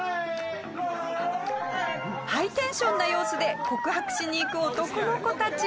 ハイテンションな様子で告白しに行く男の子たち。